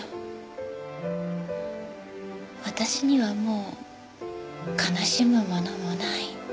私にはもう悲しむものもない。